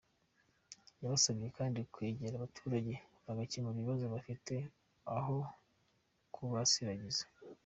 Yabasabye kandi kwegera abaturage bagakemura ibibazo bafite, aho kubasiragiza.